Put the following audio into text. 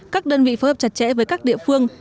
các đơn vị phối hợp chặt chẽ với các địa phương